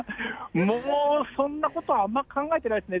もうそんなことはあんまり考えてないですね。